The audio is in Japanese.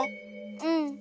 うん。